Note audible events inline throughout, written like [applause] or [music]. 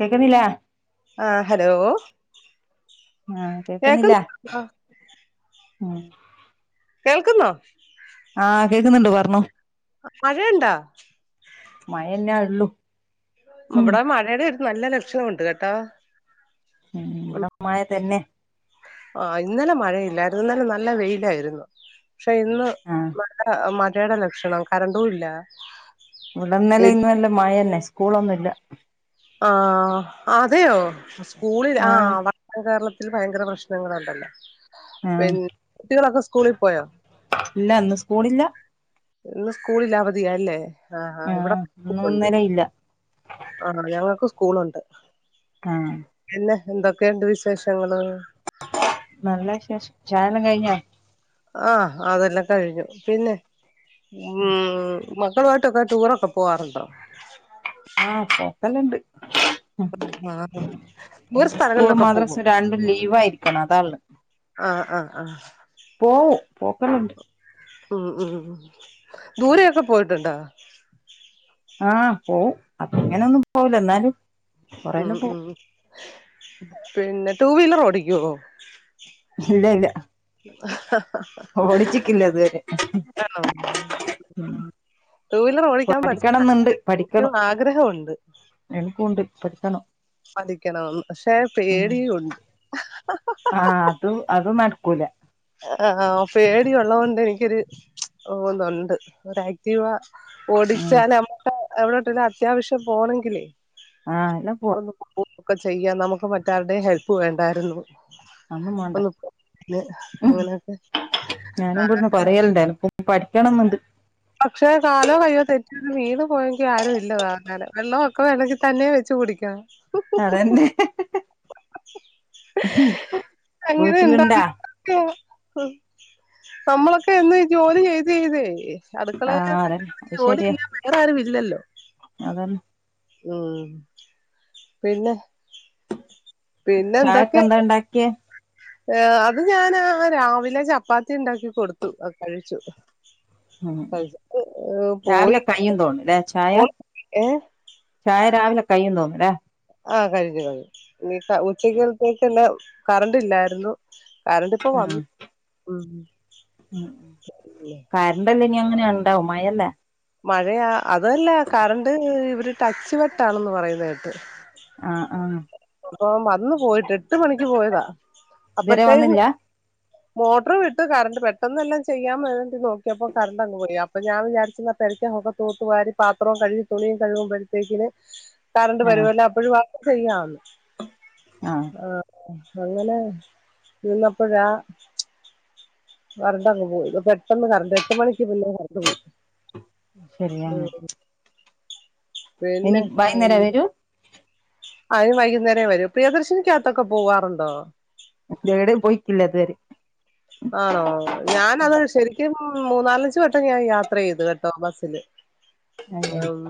കേക്കുന്നില്ലാ ആഹ് ഹലോ ആഹ് കേക്കുന്നില്ല കേൾക്കുന്നുണ്ടോ ഉം കേൾക്കുന്നോ ആഹ് കേക്ക്ന്ന്ണ്ട് പർണോ മഴൺണ്ടാ മഴന്നാള്ളു മംബടെ മഴേടെര് നല്ല ലക്ഷ്യോണ്ട് കേട്ടോ ഉം മ്പടെ മഴ തന്നെ ആഹ് ഇന്നലെ മഴയില്ലാര്ന്നു ഇന്നലെ നല്ല വെയിലായിര്ന്നു ക്ഷെ ഇന്ന് ആഹ് മഴ മഴേടെ ലക്ഷണം കരണ്ടുല്ല ഇവിടെന്നലെ ഇന്നും നല്ല മഴന്നെ സ്കൂളൊന്നുംല്ല. ആഹ് ആതെയോ സ്കൂളിൽ ആഹ് വ അഹ് കേരളത്തിൽ ഭയങ്കര പ്രശ്നങ്ങളണ്ടല്ലോ ആഹ് പിൻ ട്ടികളൊക്കെ സ്കൂളിപോയോ ഇല്ല ഇന്ന് സ്കൂളില്ല ഇന്ന് സ്കൂളില്ലഅവധിയാല്ലേ ആഹ് ആഹ് ഇവിടെ ഇന്നും ക്കെണ്ട് ഇന്നലെ ഇല്ല ആഹ് ഞങ്ങക്ക് സ്കൂള്ണ്ട് ആഹ് പിന്നെ എന്തൊക്കെണ്ട് വിശേഷങ്ങള്? നല്ല വിശേഷം ചായല്ലാം കഴിഞ്ഞാ? ആഹ് അതെല്ലാം കഴിഞ്ഞു പിന്നെ ഉം മക്കളുമായി ട്ടൊക്കെടൂറൊക്കെ പോവാറുണ്ടോ? ആഹ് പോക്കല്ലണ്ട് ആഹ് ദൂര ഉം സ്കൂളും സ്ഥലങ്ങളിലൊക്കെ പോകും മദ്‌റസ്‌രണ്ടും ലീവ് ആയിക്ക്ണ് അതാള്ളത് ആഹ് ആഹ് ആഹ് പോവും പോകലുണ്ട് ഉം ഉം ദൂരേയൊക്കെ പോയിട്ടുണ്ടോ? ആഹ് പോവും അങ്ങനൊന്നും പോവില്ലന്നാലും ഉം ഉം പിന്നെ ടൂവീലർ ഓടിക്കോ? ഇല്ല്യ ഇല്ല്യ ഇതുവരെ ആണോ ഉം ടുവീലർ ഓടിക്കാൻ പഠിച്ച പഠിക്കണംന്നുണ്ട് എനിക്കും പഠിക്കണം ആഗ്രഹമുണ്ട് എനിക്കുണ്ട് പഠിക്കണം പഠിക്കണംന്ന് പക്ഷേ ഉം പേടിയുണ്ട് ആഹ് അതു അതു നടുക്കൂല. ആഹ് പേടിയുള്ളത് കൊണ്ട് എനിക്കൊരു ഒന്നുണ്ട് ഒരാക്റ്റീവാ ഉം ഓടിച്ചാല് നമ്മക്ക് എവിടെട്ട്യലും അത്യാവശ്യം പോണങ്കില് ആഹ് എല്ലാം പോവാ ഒന്ന് പോ ഒക്കെ ചെയ്യാ നമുക്ക് മറ്റാരുടെയും ഹെൽപ് വേണ്ടായിരുന്നു. അന്നും വേണ്ട ഒന്ന് പോ ല് അങ്ങനൊക്കെ [unintelligible] [unintelligible] പഠിക്കണന്ന്ണ്ട് പക്ഷേ കാലോ കയ്യോ തെറ്റിവീണ് പോയെങ്കി ആരും ഇല്ലതാങ്ങന് വെള്ളമൊക്കെ വേണെങ്കിതന്നെ വെച്ച് കുടി അതന്നെ അങ്ങനെ വീട്ടില്ണ്ടാ? ഉണ്ടാകും നമ്മളൊക്കെ എന്ന് ജോലി ചെയ്ത് ചെയ്തേ അടു മക്കളെന്നേ ആഹ് അതന്നെ അത് [unintelligible] ശരിയാ ജോലിയാൻ വേറെ ആരും ഇല്ലല്ലോ? അതന്നെ ഉം. പിന്നെ ചായക്കെന്താണ്ടാക്കിയെ ഏഹ് അത് ഞാന് രാവിലെ ചപ്പാത്തിണ്ടാക്കി കൊടുത്തു കഴിച്ചു. ഉം [unintelligible] രാവിലെ പോയി കയ്യും തോന്നുല്ലേ ചായ ഏഹ് ചായ രാവിലെ കയ്യും തോന്നുലേ? ആഹ് കഴിഞ്ഞു കഴിഞ്ഞു ഇനി ഉച്ചക്കത്തേക്ക്ന്നെ കറണ്ട് ഇല്ലായിരുന്നു. കാരണ്ട്പ്പൊ ആഹ് വന്നു ഉം. ഉം കറന്റ് ഇനി എങ്ങനെ ഉണ്ടാവും മഴല്ലേ മഴയാ അതല്ല കറണ്ട് ഇവര് ടച്ച് വെട്ടാണെന്ന് പറയുന്ന കേട്ട് ആഹ് ആഹ് ആഹ് വന്ന് പോയിട്ട് എട്ട് മണിക്ക് പോയതാ ഇതേരെ വന്നില്ലാ മോട്ടറ് വിട്ട് കറണ്ട് പെട്ടെന്ന് എല്ലാം ചെയ്യാൻ വേണ്ടി നോക്കിയപ്പോ കറണ്ട്ങ് പോയി അപ്പൊ ഞാൻ വിചാരിച്ച് [unintelligible] തുത്തുവാരി പാത്രവും കഴുകി തുണിയും കഴുകുമ്പോഴത്തേക്കിന് കറണ്ട് ആഹ് വരുവല്ലോ അപ്പഴും ബാക്കി ചെയ്യാന്ന് ആഹ് ആഹ് അങ്ങനെ നിന്നപ്പഴാ കറണ്ടങ്ങ് പോയി പെട്ടന്ന് കറണ്ട് എട്ട് മണിക്ക് മുന്നെ കറണ്ട് പോയി ഉം ശരിയാണ് ഇനി പിന്നെ വൈകുന്നേരോ വരൂ അവര് വൈകുന്നേരേ വരു പ്രിയദർശിനിക്കകത്തൊക്കെ പോവാറുണ്ടോ എവിടെയും പോയിട്ടില്ല ഇതുവരെ ആണോ ഞാനത് ശരിക്കും മൂന്നാലഞ്ച് വട്ടം ഞാൻ യാത്ര ചെയ്തു കേട്ടോ ബസ്സില് ആഹ്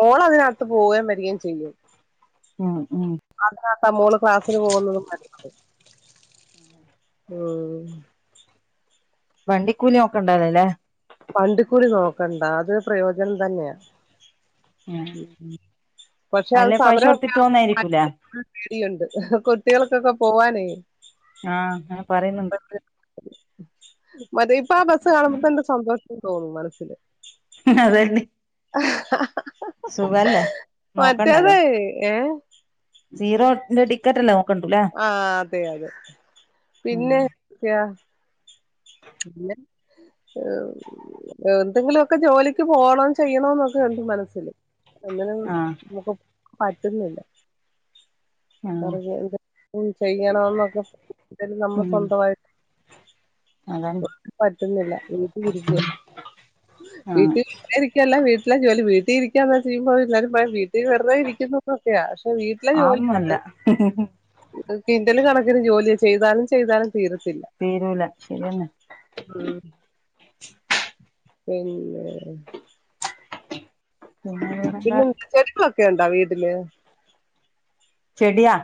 മോള് അതിനകത്ത് പോവയും വരികയും ചെയ്യും ഉം ഉം അതിനകത്താ മോള് ക്ലാസിന് പോകുന്നതും വരു ഉം വണ്ടിക്കൂലിനോക്കണ്ടാല്ലല്ലോ അല്ലെ വണ്ടിക്കൂലി നോക്കണ്ട അത് പ്രയോജനം തന്നെയാ ഉം പക്ഷെ അത് അല്ലേ പൈസ സമരവൊക്കെ കൊടുത്തിട്ട് പോന്നായിരിക്കൂലേ ആകുമ്പോ [unintelligible] പേടിയുണ്ട് കുട്ടികൾക്കൊക്കെ പോവാനേ ആഹ് അങ്ങനെ പറയുന്നുണ്ട് മറ്റേ ഇപ്പൊ ആഹ് ബസ്സ് കാണുമ്പോ തന്നെ സന്തോഷം തോന്നും മനസില് അതെന്നേ മറ്റേതെ ഏഹ് സീറോ ന്റെടി ക്കറ്റ് നോക്കണ്ടല്ലേ ആഹ് അതെ അതെ പിന്നെ [unintelligible] പിന്നേ എന്തെങ്കിലുമൊക്കെ ജോലിക്ക് പോകണം ചെയ്യണോന്നൊക്കെയുണ്ട് മനസ്സില് ഒന്നിനും ആഹ് നമുക്ക് പറ്റുന്നില്ല ആഹ് അറിയാണ്ട് ചെയ്യണം എന്നൊക്കെ നമുക്ക് ഉം സ്വന്തവായി അതാണ് പറ്റുന്നില്ല വീട്ടിലിരിക്കുവാ [unintelligible] ആഹ് വിട്ടിലല്ലാ വീട്ടിലേ ജോലി വീട്ടിരിക്കാന്ന് വെച്ചാ ഇനീപ്പോ എല്ലാരും പറയും വീ ഈ വെറുതെ ഇരിക്കുന്നുന്നൊക്കെയാ പക്ഷെ വീട്ടിലെ ജോലിഒണ്ട് ആന്നല്ല കിന്റല് കണക്കിന് ജോലിയാ ചെയ്താലും ചെയ്താലും തീരത്തില്ല തീരൂല ശെരിയന്നെ ഉം പിന്നെ ഉം പിന്നെന്താ ചെടികളൊക്കെ ഉണ്ടോ വീട്ടില് ചെടിയാ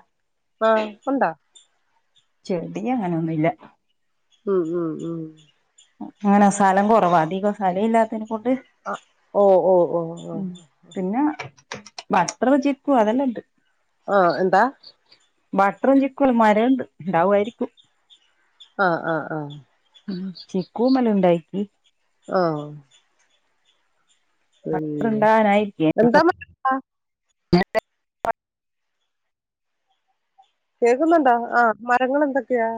ആഹ് ഉണ്ടാ ചെടി അങ്ങനൊന്നൂല്ല ഉം ഉം ഉം അങ്ങനെ സ്ഥലം കുറവാ അധികം സ്ഥലം ഇല്ലാത്തതിനെ കൊണ്ട് ആഹ് ഓ ഓ ഓ ആഹ് ഉം പിന്നെ ബട്ടറ് വെച്ചേക്കുവാ അതല്ല് ഉണ്ട് ആഹ് എന്താ ബട്ടറും ചിക്കുലും മരുവുണ്ട് ഉണ്ടാവുമായിരിക്കും ആഹ് ആഹ് ആഹ് ഉം ചിക്കൂമല് ഉണ്ടായി ഈ ആഹ് ബട്ടറ് പിന്നെ ഉണ്ടാനായിരിക്ക എന്താ മഴ [inaudible] കേൾക്കുന്നുണ്ടോ ആഹ് മരങ്ങൾ എന്തൊക്കെയാ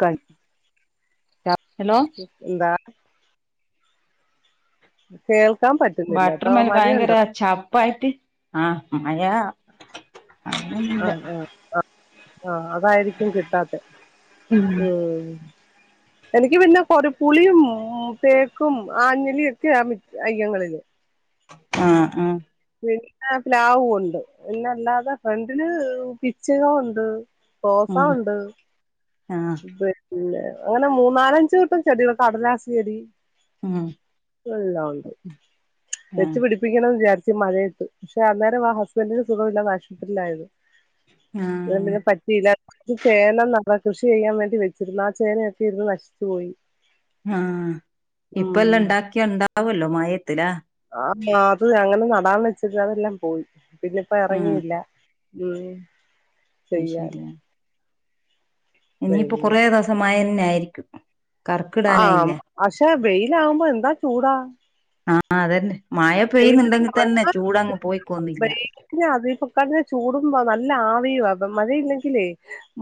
ക്ക ഹലോ എന്താ കേൾക്കാൻ പറ്റു ബട്ടർ മേൽ ഭയങ്കര ചപ്പായിട്ട് ആഹ് മഴ അങ്ങനൊന്നുല്ല ആഹ് ആഹ് ആഹ് അതായിരിക്കും കിട്ടാത്തെ ഉം എനിക്ക് പിന്നെ കൊറേപ്പുളിയും ഉം തേക്കും ആഞ്ഞിലയും ഒക്കെയാ അങ്ങളില് ആഹ് ആഹ് പിന്നെ പ്ലാവുണ്ട് പിന്നെല്ലാതെ ഫ്രണ്ടില് പിചിങ്ങ ഉണ്ട് റോസ ഉം ഉണ്ട് ആഹ് ഇത് ല്ല അങ്ങനെ മൂന്നാലഞ്ച് കൂട്ടം ചെടികൾ കടലാസ് ചെടി ഉം എല്ലാം ഉണ്ട് വെച്ച് ആഹ് പിടിപ്പിക്കണംന്ന് വിചാര്ച്ച മഴയത്ത് പക്ഷെ അന്നേരം ആഹ് ഹസ്ബൻഡിന് സുഖമില്ലാതെ ആശുപത്രിയില ആയത് ഉം അതെന്തയാലും പറ്റില്ല ഈ ചേന ന്നാകെ കൃഷി ചെയ്യാൻ വേണ്ടി വെച്ചിരുന്നു ആ ചേനയൊക്കെ ഇരുന്ന് നശിച്ചു പോയി ആഹ് ഇപ്പല്ലാം ഉണ്ടാക്കിയ ഉണ്ടാവല്ലോ മയയത്ത്ലാ ആഹ് അത് അങ്ങനെ നടാൻ വെച്ചത് അതെല്ലാം പോയി പിന്നെ ഇപ്പോ ഉം ഇറങ്ങിയില്ല ഉം അത് ചെയ്യാൻ ശെരിയ ഇനിയിപ്പൊ പിന്നെ കുറേ ദിവസം മായന്നെ ആയിരിക്കും ആഹ് കർക്കിടാനായില്ലേ പക്ഷെ വെയിലാകുമ്പോ എന്തൊരു ചൂടാ ആഹ് ആഹ് അതന്നെ മഴ വെയില് പെയ്യുന്നുണ്ടെങ്കിൽ തന്നെ ചൂടങ്ങ് പോയിക്കൊന്നില്ല അത് ഈ പൊക്കാടി ചൂടും നല്ല ആവിയ മഴയില്ലെങ്കിലേ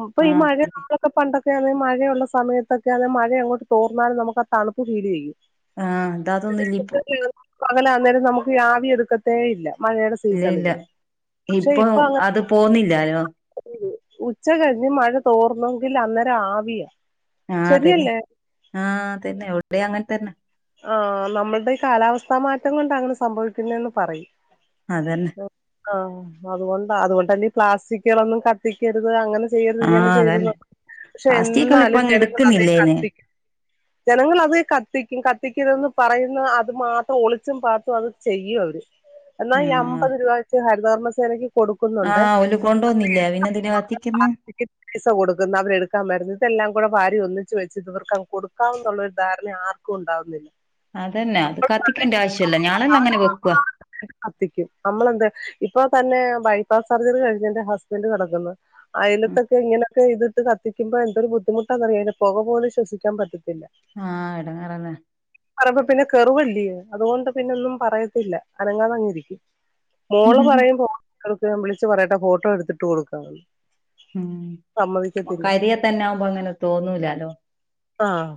ഇപ്പൊ ഈ ആഹ് മഴ നമ്മളോക്കെ പണ്ടൊക്കെ അതെ മഴയുള്ള സമയത്തൊക്കെ ആഹ് മഴ അങ്ങോട്ട തോർന്നാലുമ്മക്ക് ആ തണുപ്പ് ഫീൽ ചെയ്യും ആഹ് ഇതഅതൊന്നുല്ല പ്പോ പകല അന്നേരം നമുക്ക് ആവി എടുക്കത്തേ ഇല്ല മഴയുടെ സമയം ഇല്ല ഇപ്പൊ അത് പോകുന്നില്ലാലോ ഉച്ച കഴിഞ്ഞ് മഴ തോർന്നെങ്കിൽ അന്നേരം ആവിയ ആഹ് അതെന്നെ ആഹ്തന്നെ വടിം അങ്ങന് തന്നെ ആഹ് നമ്മളുടെഈ കാലാവസ്ഥാ മാറ്റം കൊണ്ട് അങ്ങനെ സംഭവിക്കുന്നന്ന് പറയും അതന്നെ ആഹ് അതുകൊണ്ട അതുകൊണ്ട്ന്നെ പ്ലാസ്റ്റിക്കുകളൊന്നും കത്തിക്കരുത് അങ്ങനെ ചെയ്യരുത് ഇങ്ങനെ ആഹ് ചെയ്യരുത് അതന്നെ എന്നൊക്കെ പക്ഷെ പ്ലാസ്റ്റിക്കെല്ലാം ഇപ്പ എന്നാലും അങ്ങ് ജനങ്ങൾ അതെ എടുക്കുന്നില്ലേന്ന് കത്തിക്കും ജനങ്ങൾ അത് കത്തി കത്തിക്കും കത്തിക്കരുതേന്ന് പറയുന്ന അത് മാത്രം ഒളിച്ചും പാത്തും അത് ചെയ്യും അവര് എന്നാ ഈ ആഹ് അമ്പത് രൂപ വെച്ച് ഹരിതവർമ്മ സേനക്ക് കൊടുക്കുന്നുണ്ടേ ആഹ് ഓല് കൊണ്ടോന്നില്ല പിന്നെന്തിനാ കത്തിക്കുന്ന് [unintelligible] പൈസ കൊടുക്കുന്ന അവരെ എടുക്കാൻ വരുന്നു ഇതെല്ലാം കൂടെ വാരി ഒന്നിച്ച് വെച്ച് ഇതവർക്ക് കൊടുക്കാ എന്നുള്ളൊരു ധാരണ ആർക്ക ആർക്കും ഉണ്ടാവുന്നില്ല അതന്നെ അത് കത്തിക്കേണ്ട ആവശ്യല്ല ഞാളല്ലാം അങ്ങനെ വെക്കുവ കത്തിക്കും നമ്മൾ എന്താ ഇപ്പൊ തന്നെ ബൈപാസ് സർജറി കഴിഞ്ഞ് എന്റെ ഹസ്ബന്റ് കെടക്കുന്ന് അയലത്തൊക്കെ ഇങ്ങനെയൊക്കെ ഇതിട്ട് കത്തിക്കുമ്പോ എന്തൊരു ബുദ്ധിമുട്ടാന്നറിയോ അയിന്റെ പൊക പോലും ശ്വസിക്കാൻ പറ്റത്തില്ല ആഹ് എടങ്ങേറാന്നേ പറയുമ്പ പിന്നെ കെറുവല്ലിയോ അതുകൊണ്ട് പിന്നെ ഒന്നും പറയത്തില്ല അനങ്ങാതങ്ങിരിക്കും മോള് ഉം പറയുമ്പോ ഫോൺ വിളിച്ചു പറയട്ടെ ഫോട്ടോ എടുത്തിട്ട് കൊടുക്കാന്ന് ഉം ഞമ്മൾക് സമ്മതിക്കത്തില്ല അരിയെ തന്നെ ആവുമ്പോ അങ്ങനെ തോന്നൂലാലൊ ആഹ്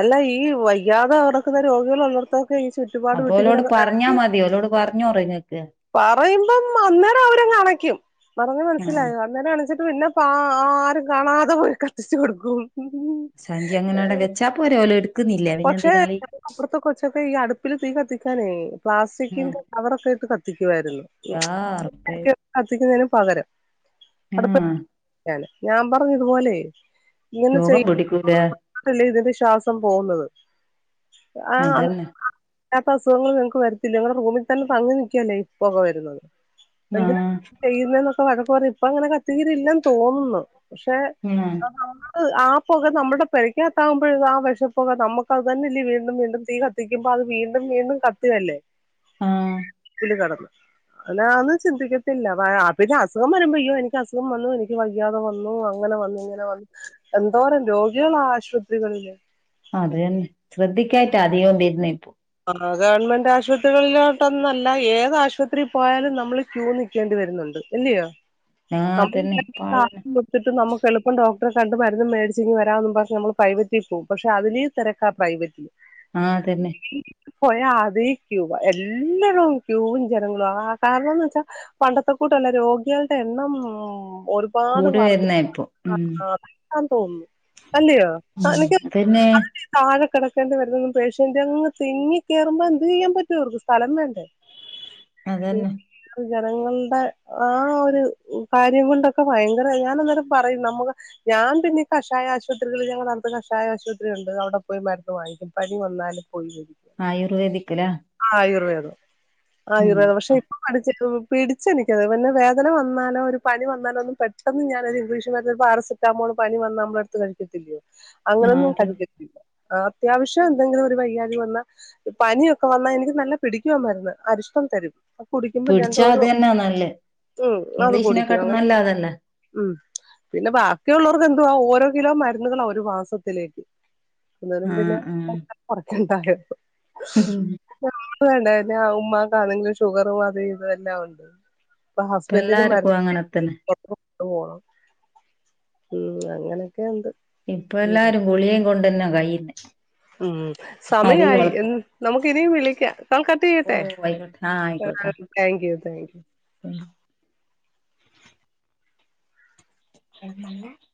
അല്ല ഈ വയ്യാതെ കെടക്കുന്ന രോഗികൾ ഉള്ളടത്ത് ഈ ചുറ്റുപാട് അപ്പൊ വിട്ടിങ്ങനെ ഓലോട് പറഞ്ഞാ ഇടക്ക് മതി ഓലോട് പറഞ്ഞോറ് ഇങ്ങക്ക് പറയുമ്പം അന്നേരം അവരങ്ങണക്കും പറഞ്ഞ ആഹ് മനസ്സിലായോ അന്നേരം അണിച്ചി പിന്നെപ്പ ആരും കാണാതെ പോയി കത്തിച്ച് കൊടുക്കും സഞ്ചി അങ്ങനടെ വെച്ചാപ്പോരെ ഓല് എടു പക്ഷെ അപ്പറത്തെ കൊച്ചൊക്കെ ഈ അടുപ്പില് തീ കത്തിക്കാനേ ആഹ് പ്ലാസ്റ്റിക്കിന്റെ കവറൊക്കെ ഇട്ട് കത്തിക്കുവാരുന്നു യാ റബ്ബേ കത്തിക്കുന്നതിന് പകരം ആഹ് [unintelligible] ഞാൻ പറഞ്ഞ് ഇതുപോലെ ഇങ്ങനെ രോഗം ചെയ്യി പിടിക്കൂല [inaudible] ഇതിന്റെ ശ്വാസം പോകുന്നത് ആഹ് അ അതന്നെ ഇല്ലാത്ത അസുഖങ്ങൾ നിങ്ങക്ക് വരത്തില്ലേ നിങ്ങളുടെ റൂമിൽ തന്നെ തങ്ങി നിക്കല്ലേ ഇപ്പൊക വരുന്നത് എന്തിനാ ആഹ് ചെയ്യുന്ന എന്നൊക്കെ വഴക്ക് പറഞ്ഞ് ഇപ്പ അങ്ങനെ കത്തീരില്ലെ ന്ന് തോന്നുന്ന് പക്ഷെ ഞാൻ ആ പുക നമ്മുടെ പെരക്കകത്താകുമ്പഴ് ആ വെഷപ്പുക നമുക്ക് അത് തന്നെ ഇല്ലീ വീണ്ടും വീണ്ടും തീ കത്തിക്കുമ്പ അപ്പ അത് വീണ്ടും വീണ്ടും കത്തു കല്ലേ ആഹ് [unintelligible] അതൊന്നും ചിന്തിക്കത്തില്ല പിന്നെ അസുഖം വരുമ്പൊ അയ്യോ എനിക്ക് അസുഖം വന്നു എനിക്ക് വ വയ്യാതെ വന്നു അങ്ങനെ വന്നു ഇങ്ങനെ വന്നു എന്തോരം രോഗികളാ ആശുപത്രികളില് അത് തന്നെ ശ്രദ്ധിക്കായിട്ടാ അധികോം വരുന്നേ ഇപ്പൊ ആഹ് ഗവൺമെന്റ് ആശുപത്രികളിലോട്ടൊന്നല്ല ഏത് ആശുപത്രീ പോയാലും നമ്മള് ക്യൂ നിക്കേണ്ടി വരുന്നുണ്ട് ഇല്ലിയൊ [inaudible] ആഹ് തന്നെ [unintelligible] പാളന്നെ ത്തിട്ടും നമുക്ക് എളുപ്പം ഡോക്ടറെ കണ്ട് മരുന്ന് മേടിച്ചിങ്ങ് വരാവെന്നും പറഞ്ഞ് നമ്മള് പ്രൈവറ്റിൽ പോവും പക്ഷെ അതില് തെരക്കാ പ്രൈവറ്റില് ആഹ് തന്നെ പോയാ അതേ ക്യൂവാ എല്ലടോം ക്യൂവും ജനങ്ങളുവാ ആഹ് കാരണംന്ന് വെച്ചാ പണ്ടത്തെ കൂട്ടല്ല രോഗികളുടെ എണ്ണം ഒര [unintelligible] പാട് കൂടി വർ [inaudible] വരുന്ന ഇപ്പൊ ഉം [unintelligible] തോന്നുന്നു അല്ലിയോ ഉം ആഹ് എനിക്ക് അതന്നെ [inaudible] താഴ കെടക്കേണ്ടി വരുന്ന [unintelligible] പേഷ്യന്റ് അങ്ങ് - തിങ്ങി കേറുമ്പൊ എന്ത് ചെയ്യാൻ പറ്റോർക്ക് സ്ഥലം വേണ്ടേ അതന്നെ [unintelligible] ജനങ്ങളുടെ ആ ഒരു കാര്യം കൊണ്ടൊക്കെ ഭയങ്കര ഞാനന്നേരം പറയും നമുക്ക് ഞാൻ പിന്നെ കഷായ ആശുപത്രികള് ഞങ്ങളടുത്ത് കഷായ ആശുപത്രി ഉണ്ട് അവിടെ പോയി മരുന്ന് വാങ്ങിക്കും പനി വന്നാലും [inaudible] ആയുർവേദിക് ല്ലേ ആയുർവേദം ആയുർവേദം പക്ഷെ പഠിച്ചി പിടിച്ച് എനിക്കത് പിന്നെ വേദന വന്നാലോ ഒരു പനി വന്നാലോ ഒന്നും പെട്ടെന്ന് ഞാനൊര് ഒരു ഇംഗ്ലീഷ് പാരസെ സെറ്റാമോള് പനി വന്നാ നമ്മള് എടുത്ത് കഴിക്കത്തില്ലിയോ ആഹ് അങ്ങനൊന്നും അതന്നെ കഴിക്കത്തില്ല അത്യാവശ്യം എന്തെങ്കിലും ഒരു വയ്യാ യ്കവന്നാ പനിയൊക്കെ വന്നാ എനിക്ക് നല്ല പിടിക്കുവാ മരുന്ന് അരിഷ്ട്ടം തരും അത് കുടിക്കുമ്പൊ പിടിച്ചാ രണ്ടോസം അത് തന്നാ നല്ലേ ഉം അത് കുടിക്കും ഇംഗ്ലീഷിനെക്കാട്ടും അങ്ങനെ നല്ല അതല്ലേ ഉം പിന്നെ ബാക്കിയുള്ളോർക്ക് എന്തുവാ ഓരോ കിലോ മരുന്നുകളാ ഒരു മാസത്തിലേക്ക് അന്നേരം പിന്നെ ആഹ് ആഹ് [inaudible] കൊറക്കണ്ടായോ [unintelligible] [unintelligible] ഉമ്മാക്ക് ആണെങ്കി ഷുഗറും അത് ഇത് എല്ലാം ഉണ്ട് ഇപ്പ ഹസ്ബന്റിന് മരു എല്ലാർക്കും അങ്ങനെ തന്നെ [inaudible] [unintelligible] പോണം ഉം അങ്ങനൊക്കെ ഒണ്ട് ഇപ്പ എല്ലാരും ഗുളിയേം കൊണ്ടന്ന കയ്ന്നെ ഉം സമയായി എ നമുക്ക് ഇനിയും വിളിക്ക നാൾ കട്ട്യ്യട്ടെ ഓഹ് ആയിക്കോട്ടെ ആ ആ താങ്ക്യൂ താങ്ക്യൂ ഉ [unintelligible]